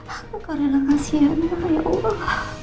aku kagak rela kasihan ya allah